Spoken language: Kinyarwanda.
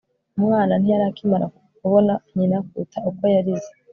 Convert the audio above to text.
umwana ntiyari akimara kubona nyina kuruta uko yarize